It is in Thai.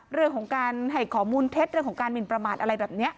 เรื่องของการให้ข้อมูลเท็จเรื่องของการหมินประมาทอะไรแบบนี้